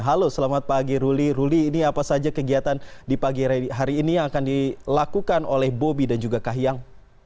halo selamat pagi ruli ruli ini apa saja kegiatan di pagi hari ini yang akan dilakukan oleh bobi dan juga kahiyang